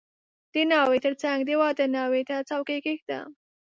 • د ناوې تر څنګ د واده ناوې ته څوکۍ کښېږده.